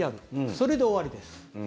それで終わりです。